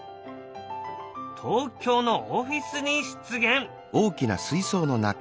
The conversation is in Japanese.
東京のオフィスに出現。